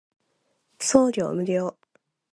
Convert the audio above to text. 送料無料